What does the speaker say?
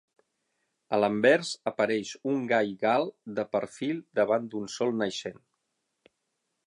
A l'anvers apareix un gall gal de perfil davant d'un sol naixent.